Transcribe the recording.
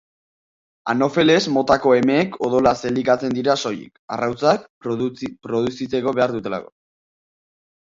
Anofeles motako emeak odolaz elikatzen dira soilik, arrautzak produzitzeko behar dutelako.